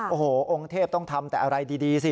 โอ้โหองค์เทพต้องทำแต่อะไรดีสิ